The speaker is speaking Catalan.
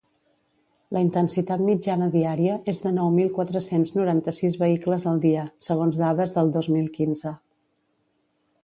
La intensitat mitjana diària és de nou mil quatre-cents noranta-sis vehicles al dia, segons dades del dos mil quinze.